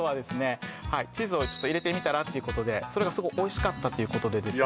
うわあチーズをちょっと入れてみたらっていうことでそれがすごいおいしかったっていうことでですね